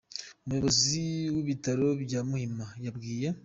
Umuyobozi w’Ibitaro bya Muhima, yabwiye